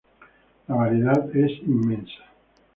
La variedad es inmensa.